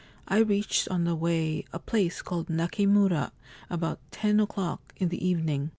I reached on the way a place called Nakimura about ten o'clock in the evening.